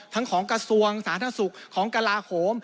ทั้งของกระทรวงสถานท่าสุขของกราโขม